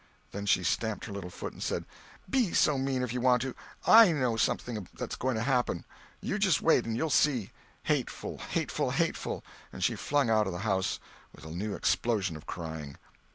Then she stamped her little foot and said: "Be so mean if you want to! I know something that's going to happen. You just wait and you'll see! Hateful, hateful, hateful!"—and she flung out of the house with a new explosion of crying.